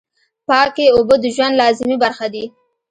پاکې اوبه د ژوند لازمي برخه دي.